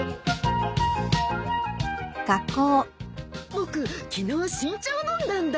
僕昨日新茶を飲んだんだ。